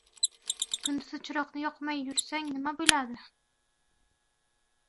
Kunduzi chiroqni yoqmay yursam nima bo‘ladi?